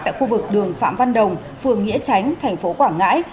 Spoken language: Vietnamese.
tại khu vực đường phạm văn đồng phường nghĩa chánh thành phố quảng ngãi